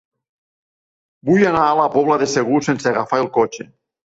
Vull anar a la Pobla de Segur sense agafar el cotxe.